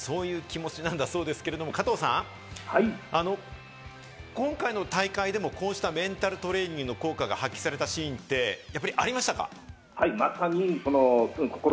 苦しさの後に楽しさが待っているよという、そういう気持ちなんだそうですけど、加藤さん、今回の大会でもこうしたメンタルトレーニングの効果が発揮されたシーンってありましたか？